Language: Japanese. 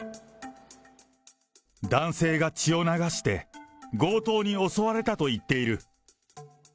男性が血を流して、強盗に襲われたと言っている。